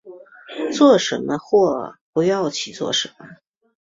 做什么或不要去做什么